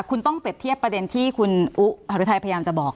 คุณต้องเปรียบเทียบประเด็นที่คุณอุฮรุไทยพยายามจะบอก